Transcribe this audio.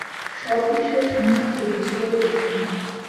সব বিষয় শোনামাত্রই বুঝা বড় কঠিন।